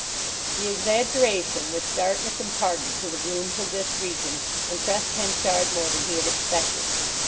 The exaggeration which darkness imparted to the glooms of this region impressed Henchard more than he had expected.